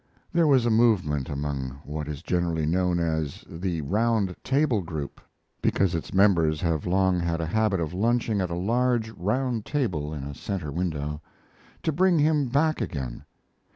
There was a movement among what is generally known' as the "Round Table Group" because its members have long had a habit of lunching at a large, round table in a certain window to bring him back again.